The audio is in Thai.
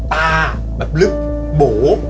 ตาแบบลึกโบ๋